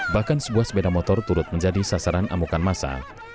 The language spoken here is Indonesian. bahkan sebuah sepeda motor turut menjadi sasaran amukan masa